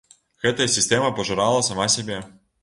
Гэтая сістэма пажырала сама сябе.